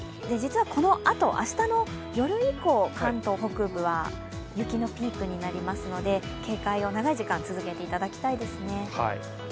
実はこのあと明日の夜以降関東北部は雪のピークになりますので警戒を長い時間続けていただきたいですね。